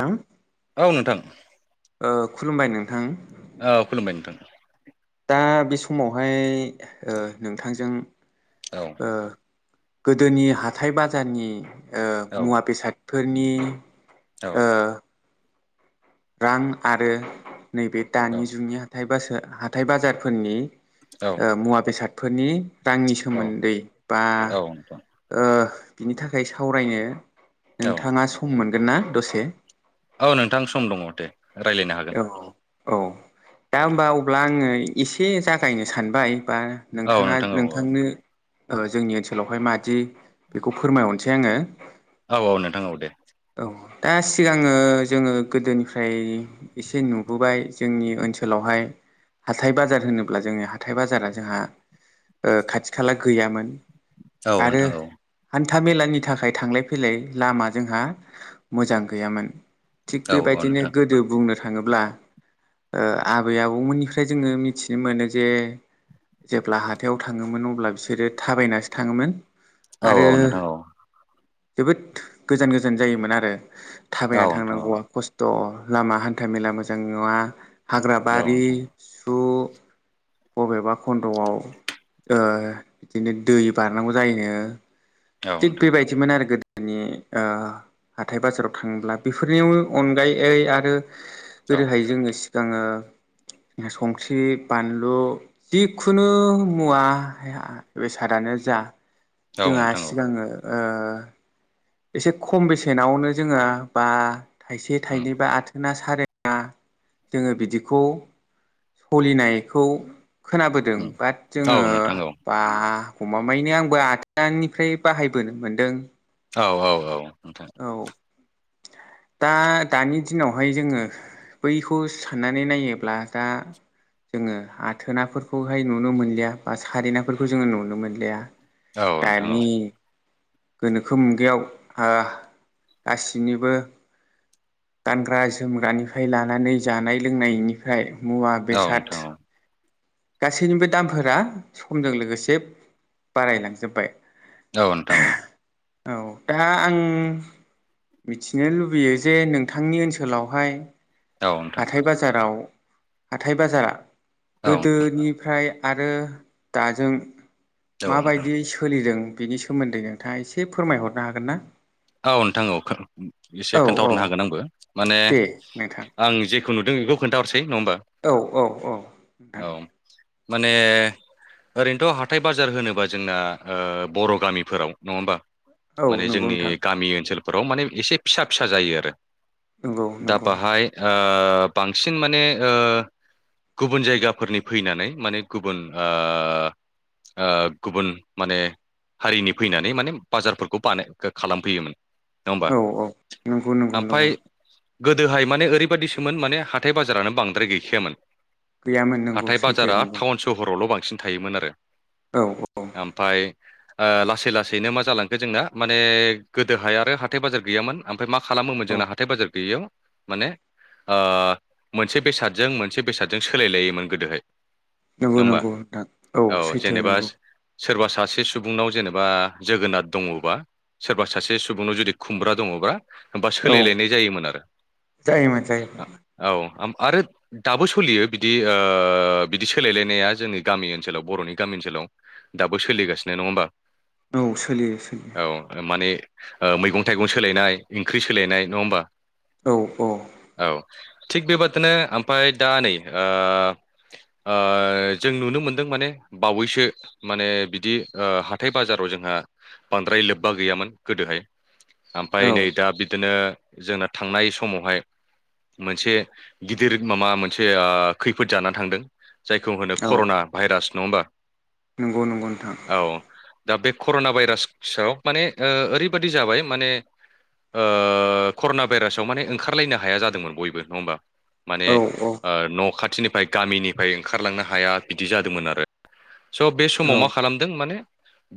थां औ नोंथां ओ खुलुमबाय नोंथां औ खुलुमबाय नोंथां दा बे समावहाय ओ नोंथांजों औ गोदोनि हाथाइ बाजारनि ओ मुवा बेसादफोरनि ओ रां आरो नैबे दानि जुगनि हाथाय बासो हाथाय बाजार हाथाइ बाजारफोरनि औ ओ मुवा बेसादफोरनि रांनि औ सोमोन्दै बा औ नोंथां ओ बिनि थाखाय सावरायनो औ नोंथाङा सम मोनगोन ना दसे औ नोंथां सम दङ दे रायलायनो औ हागोन औ दा होमबा अब्ला आङो एसे जागायनो सानबाय बा औ नोंथाङा नोंथां औ नोंथांनो ओ जोंनि ओनसोलावहाय मादि बेखौ फोरमायहर सै आङो औ औ नोंथां औ दे औ दा सिगाङो जोङो गोदोनिफ्राय एसे नुबोबाय जोंनि ओनसोलावहाय हाथाय बाजार होनोब्ला जोंङो हाथाय बाजारा जोंहा ओ खाथि खाला गैयामोन। औ नोंथां औ था मेलानि थाखाय थांलाय फैलाय लामा जोंहा मोजां गैयामोन। थिग औ बेबायदिनो नोंथां गोदो बुंनो थाङोब्ला ओ आबै आबौमोननिफ्राय जोङो मिथिनो मोनो जे जेब्ला हाथायाव थाङोमोन अब्ला बिसोरो थाबायनासो थाङोमोन औ आरो औ नोंथां औ जोबोद गोजान गोजान जायोमोन आरो थाबायना औ नोंथां औ नोंथां थांनांगौवा खस्थ' लामा हान था मेला मोजां नङा हाग्रा औ नोंथां औ बारि सु बबेबा खन्द'आव ओ बिदिनो दै बारनांगौ जायो थिग बेबायदिमोन आरो गोदो माने ओ हाथाय बाजाराव थाङोब्ला बेफोरनि अनगायै ओ आरो गोदोहाय जोङो सिगाङो संख्रि बानलु जिखुनु मुवा या बेसादानो जा आ औ नोंथां औ ओ एसे खम बेसेनावनो जोङा बा थाइसे उम थाइनै बा आथोना सारे ना जोङो बिदिखौ सलिनायखौ खोनाबोदों उम बाट औ जोङो नोंथां औ बा गमामायैनो आंबो आथोनिफ्राय बाहायबोनो मोनदों। औ औ औ नोंथां औ दा दानि दिनावहाय जोङो बैखौ साननानै नायोब्ला दा जोङो आथोनाफोरखौहाय नुनो मोनलिया बा सारेनाफोरखौ जोङो नुनो मोनलिया। औ नोंथां औ दानि गोनोखो मुगायाव ओ गासिनिबो गानग्रा जोमग्रानिफ्राय लानानै जानाय लोंनायनिफ्राय मुवा औ नोंथां औ नोंथां बेसाद औ गासैनिबो दामफोरा समजों लोगोसे बारायलांजोबबाय औ नोंथां औ औ दा आं मिथिनो लुबैयो जे नोंथांनि ओनसोलावहाय नोंथां हाथाय बाजाराव हाथाय बाजारा औ दोनिफ्राय आरो दाजों माबादियै सोलिदों। बिनि सोमोन्दै नोंथाङा एसे फोरमायहरनो हागोन ना? औ नोंथां औ एसे औ औ खोन्थाहरनो हागोन आंबो माने दे नोंथां आं जे नुदों बेखौ खोन्थाहरसै नङा होमबा औ औ औ नोंथां औ माने ओरैनोथ' हाथाय बाजार होनोबा जोंना ओ बर' गामिफोराव नङा होमबा औ माने नंगौ जोंनि नोंथां गामि ओनसोलफोराव माने एसे फिसा फिसा जायो आरो नंगौ दा नंगौ बाहाय ओ ओ बांसिन माने ओ गुबुन जायगाफोरनि फैनानै माने गुबुन ओ ओ गुबुन माने हारिनि फैनानै माने बाजारफोरखौ बानाय खालाम नङा होमबा औ औ नंगौ नंगौ ओमफाय नंगौ गोदोहाय माने ओरै बायदिसोमोन माने हाथाय बाजारानो बांद्राय गैखायामोन गैयामोन नंगौ हाथाय सैथो बाजारा नंगौ टाउन सहरावल' बांसिन बांसिन थायोमोन आरो औ औ ओमफाय ओ लासै लासैनो मा जालांखो जोंना माने गोदोहाय आरो हाथाय बाजार गैयामोन ओमफ्राय मा खालामोमोन औ जोंना हाथाय बाजार गैयियाव माने ओ मोनसे बेसादजों मोनसे बेसादजों सोलायलायोमोन गोदोहाय नंगौ नङा होमबा नंगौ नोंथां औ सैथो जेनेबा नंगौ सोरबा सासे सुबुंनाव जेनेबा जोगोनाथ दङबा सोरबा सासे सुबुंनाव जुदि खुमब्रा दङबा होमबा औ सोलायलायनाय जायोमोन आरो जायोमोन जायोमोन औ आरो दाबो सोलियो बिदि ओ बिदि सोलायलायनाया जोंनि गामि ओनसोलाव बर'नि गामि ओनसोलाव दाबो सोलिगासिनो नङा होमबा औ सोलियो सोलियो औ माने ओ मैगं थाइगं सोलायनाय ओंख्रि सोलायनाय नङा होमबा औ औ औ थिग बेबादिनो ओमफाय दा नै ओ जों नुनो मोनदों माने बावैसो माने बिदि हाथाय बाजाराव जों जोंहा बांद्राय लोब्बा गैयामोन गोदोहाय औ ओमफ्राय नै दा बिदिनो जोंना थांनाय समावहाय मोनसे गिदिर माबा मोनसे ओ खैफोद जाना थांदों जायखौ होनो औ कर'ना भाइरास नङा होमबा नंगौ नंगौ नोंथां औ दा बे कर'ना भाइरास सोआव माने ओरैबायादि जाबाय माने ओ कर'ना भाइरासाव माने ओंखारलायनो हाया जादोंमोन बयबो नङा होमबा माने औ ओ न' खाथिनिफ्राय गामिनिफ्राय ओंखारलांनो हाया बिदि जादोंमोन आरो स' बे औ समाव मा खालामदों माने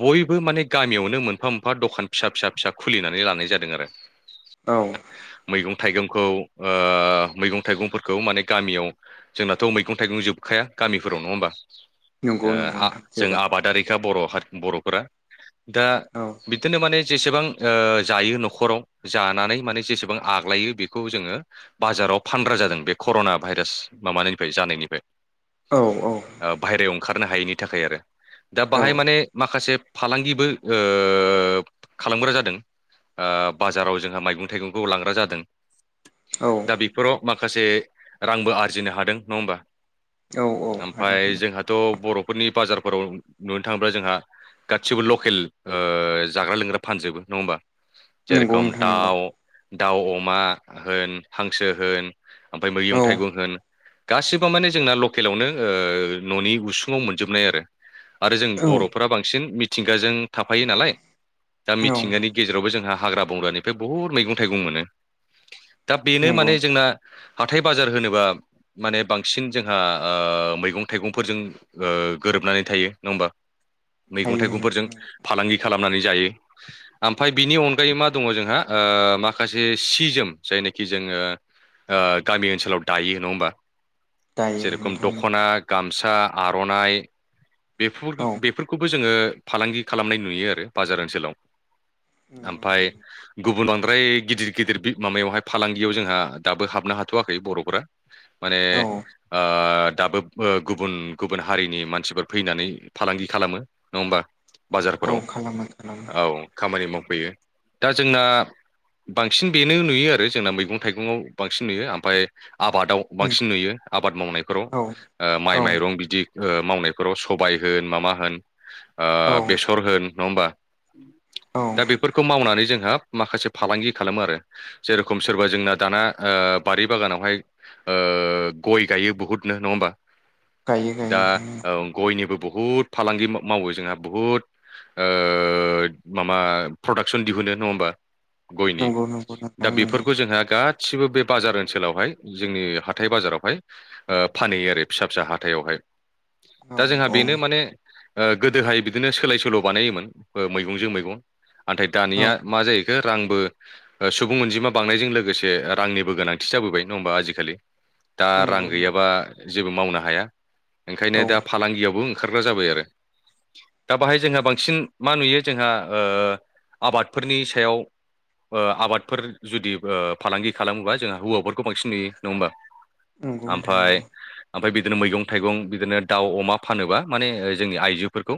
बयबो माने गामियावनो मोन मोनफा मोनफा दखान फिसा फिसा फिसा खुलिनानै लानाय जादों आरो औ मैगं थाइगंखौ ओ मैगं थाइगंफोरखौ माने गामियाव जोंनाथ' मैगं थाइगं जोब खाया गामिफोर नङा होनबा नंगौ नंगौ ओ नोंथां जों जोबोर आबादारिखा बर' बर'फोरा दा औ बिदिनो माने जेसेबां ओ जायो न'खराव जानानै माने जेसेबां आग्लायो बेखौ जोङो बाजाराव फानग्रा जादों बे कर'ना भाइरास माबानिफ्राय जानायनिफ्राय औ औ ओ बाहेरायाव ओंखारनो हायैनि थाखाय आरो दा औ बाहाय माने माखासे फालांगिबो ओ ओ खालामग्रा जादों ओ बाजाराव जोंहा मैगं थाइगंखौ लांग्रा जादों औ दा बेफोराव माखासे रांबो आरजिनो हादों नङा होमबा औ औ हादों ओमफाय जोंहाथ' बर'फोरनि बाजारफोराव नुनो थाङोब्ला जोंहा गासिबो लकेल ओ जाग्रा लोंग्रा फानजोबो नङा होमबा नंगौ जेरखम नोंथां नंगौ दाउ दाउ अमा होन हांसो होन ओमफ्राय औ मैगं थाइगं होन गासिबो माने जोंना लकेलावनो ओ न'नि उसुङाव मोनजोबनाय आरो आरो जों औ बर'फोरा बांसिन मिथिंगाजों थाफायो नालाय दा औ मिथिंगानि गेजेरावबो जों जोंहा हाग्रा बंग्रानिफ्राय बुहुद मैगं थाइगं मोनो दा बेनो नंगौ माने जोंना हाथाय बाजार होनोबा माने बांसिन जोंहा ओ मैगं थाइगंफोरजों ओ ओ गोरोबनानै थायो नङा होमबा मैगं थायो थाइगंफोरजों नंगौ फालांगि खालामनानै जायो ओमफाय बिनि अनगायै मा दङ जोंहा ओ माखासे सि जो जायनाखि जोङो ओ गामि ओनसोलाव दायो नङा होमबा दायो जेरखम नंगौ दख'ना गामसा आर'नाइ बे औ बेफोरखौबो जोङो फालांगि खालामनाय नुयो आरो बाजार ओनसोलाव ओमफाय गुबुन बांद्राय गिदिर गिदिर माबायावहाय फालांगियाव जोंहा दाबो हाबनो हाथ'वाखै बर'फोरा माने औ ओ ओ दाबो गुबुन गुबुन हारिनि मानसिफोर फैनानै फालांगि खालामो नङा होमबा बाजारफोराव औ खालामो खालामो औ खामानि मावफैयो दा जोंना बांसिन बेनो नुयो आरो जोंना मैगं थाइगंआव बांसिन नुयो ओमफ्राय आबादाव बांसिन नुयो आ आबाद मावनायफोराव औ ओ माइ औ माइरं बिदि ओ मावनायफोराव सबाय होन माबा होन औ ओ बेसर होन नङा होमबा औ दा बेफोरखौ मावनानै जोंहा माखासे फालांगि खालामो आरो जेरखम सोरबा जोंना दाना ओ ओ बारि बागानावहाय ओ गय गायो बुहुथनो नङा होमबा गायो गायो दा नोंथां ओ गयनिबो बहुद फालांगि मावो जोंहा बुहुत ओ माबा प्रदाक्सन दिहुनो नङा होमबा गयनि नंगौ नंगौ नोंथां दा नंगौ बेफोरखौ जोंहा गा सिबो बे बाजार ओनसोलावहाय जोंनि हाथाइ बाजारावहाय ओ फानहैयो आरो फिसा फिसा हाथायावहाय [inaudible] दा जोंहा औ बेनो माने ओ गोदोहाय बिदिनो सोलाय सोल' बानायोमोन ओ मैगंजों मैगं नाथाय औ दानिया मा जायो बेखौ रांबो सुबुं अनजिमा बांनायजों लोगोसे रांनिबो गोनांथि जाबोबाय नङा होमबा आजिखालि दा रां नंगौ नोंथां गैयाबा जेबो मावनो हाया ओंखायनो औ दा फालांगियावबो ओंखारग्रा जाबाय आरो दा बाहाय जोंहा बांसिन मा नुयो जोंहा ओ आबादफोरनि सायाव ओ आबादफोर जुदि ओ फालांगि खालामोबा जोंहा हौवाफोरखौ बांसिन नुयो नङा होमबा नंगौ नोंथां ओमफाय नंगौ ओमफाय बिदिनो मैगं थाइगं बिदिनो दाउ अमा फानोब्ला माने जोंनि आइजोफोरखौ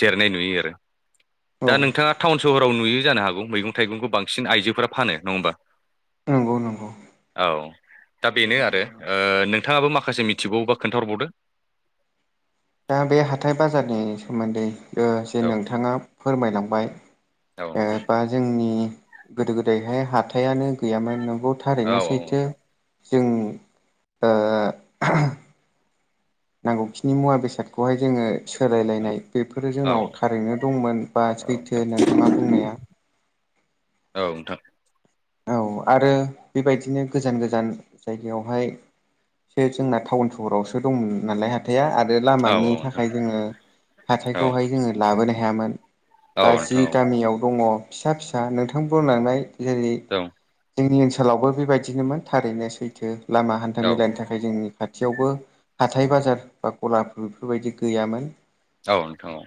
जिरायनाय नुयो आरो औ दा नोंथाङा टाउन सहराव नुयो जानो हागौ मैगं थाइगंखौ बांसिन आइजोफोरा फानो नङा होमबा नंगौ नंगौ औ दा बेनो नुनो आरो मोनो नोंथाङाबो माखासे मिथि मिथिबावोबा खोनथाहरबावदो दा बे हाथाय बाजारनि सोमोनदै ओ जे औ नोंथाङा फोरमायलांबाय औ ओ नोंथां बा जोंनि गोदो गोदायहाय हाथायानो गैयामोन नंगौ औ थारैनो सैथो जों ओ नांगौखिनि मुवा बेसादखौहाय जोङो सोलायलायनाय बेफोरो औ नोंथां औ जोंनाव थारैनो दंमोन बा सैथो नोंथाङा बुंनाया औ नोंथां औ आरो बेबायदिनो गोजान गोजान जायगायावहाय जोंना टाउन सहरावसो दंमोन नालाय हाथाइया आरो आरो औ नोंथां लामानि औ नोंथां औ थाखाय जोङो हाथायखौहाय जोङो लाबोनो हायामोन बा जि गामियाव दङ फिसा फिसा नोंथां बुंलांनाय जेरै औ जोंनि ओनसोलावबो बेबायदिनोमोन थारैनो सैथो लामा हानथा मेलानि थाखाय जोंनि खाथियावबो हाथाय बाजार बा गलाफोर बेफोरबायदि गैयामोन औ नोंथां औ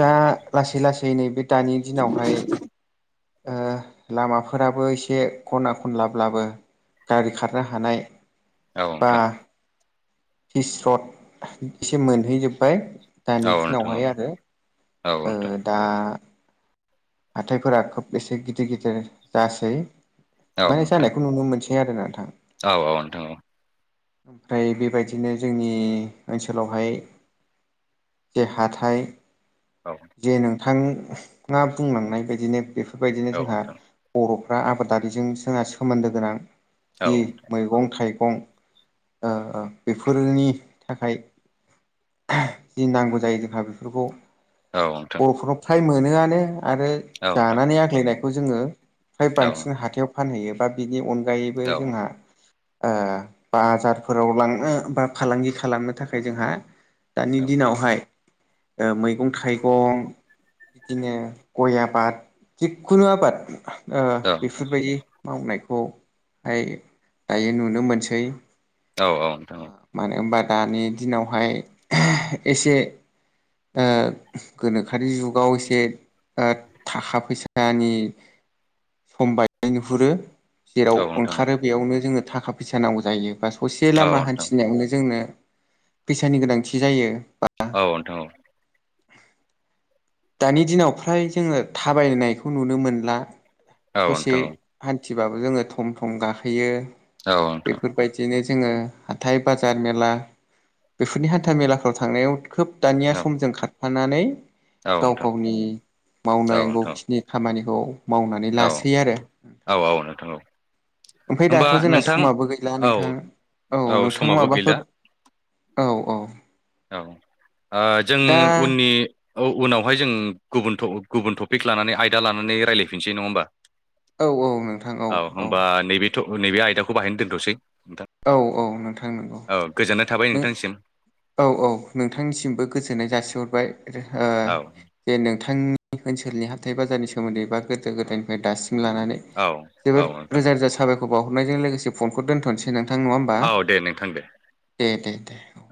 दा लासै लासै नैबे दानि दिनावहाय ओ लामा फोराबो एसे ख'ना खनलाब्लाबो गारि खारनो हानाय औ नोंथां हिस्रत एसे मोनहैजोबबाय दानि औ नोंथां दिनावहाय औ आरो औ ओ नोंथां दा हाथायफोरा खोब एसे गिदिर गिदिर जासै औ माने नोंथां जानायखौ नुनो मोनसै थाया आरोना नोंथां औ औ नोंथां औ ओमफ्राय बेबायदिनो जोंनि ओनसोलावहाय जे हाथाय जे नोंथाङा बुंलांनाय बायदिनो बेफोर बेफोरबायदिनो औ जोंहा नोंथां बर'फ्रा आबादारिजों जोंहा सोमोनदो गोनां औ जि नोंथां मैगं थाइगं गं ओ ओ बेफोरनि थाखाय जि नांगौ जायो जोंहा बेफोरखौ औ नोंथों बर'फोरनाव फ्राय मोनोयानो आरो जानानै आग्लायनायखौ जोङो फ्राय औ बांसिन हाथायाव फानहैयो बा बिनि अनगायैबो औ जोंहा ओ बाजारफोराव लांनो बा फालांगि खालामनो थाखाय जोंहा दानि औ नोंथां दिनावहाय ओ मैगं थाइगं बिदिनो गय आबाद जिखुनु आबाद ओ औ बेफोरबायदि मावनाय बे खौहाय दायो नुनो मोनसै औ औ नोंथां औ मानो होनबा दानि दिनावहाय एसे गोनोखोनि जुगाव एसे थाखा फैसानि सम बाय नुहुरो जेराव औ नोंथां औ ओंखारो बेयावनो जोंनो थाखा फैसा नांगौ जायो बा ससे लामा हान्थिनायावनो जोंनो फैसानि गोनांथि जायो। दानि दिनाव फ्राय जोङो थाबायनायखौ नुनो मोनला नोंथां औ नोंथां औ नोंथां औ नोंथां औ नोंथां ससे हान थिबाबो जोङो थम थम गाखोयो औ बेफोरबायदिनो जोङो हाथथाय बाजार मेला बेफोरनि हान्था मेलाफ्राव थांनायाव खोब दानिया समजों खारफानानै औ गाव नोंथां गावनि मावनांगौ खिनि खामानिखौ मावनानै लासै आरो थां औ ओमफाय होमबा दाथ' जोंना नोंथां समाबो गैला औ नोंथां औ नोंथां समाबो माबाफोर गैला औ औ औ ओ जों दा उननि औ उनावहाय जों गुबुन गुबुन टपिक लानानै आयदा लानानै रायज्लायफिनसै नङा होमबा औ औ नोंथां औ हबा नैबे नैबे आयदाखौ बाहायनो दोनथ'सै नोंथां औ औ नोंथां नंगौ औ गोजोननाय थाबाय नों नोंथांसिम औ औ नोंथांनिसिमबो गोजोननाय जासिहरबाय औ जे नोंथां आं ओनसोलनि हाथाथाय बाजनि सोमोन्दै बा गोदो गोदायनिफ्राय दासि लानानै औ जोबोर औ नोंथां रोजा रोजा साबायखौ बावहरनायजों लोगोसे फनखौ दोनथ'नोसै नोंथां नङा होमबा औ दे नोंथां दे दे दे दे औ